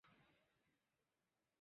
后屡有增修。